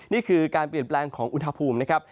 นี่คือการเปลี่ยนแปลงของอุณหภูมินะครับ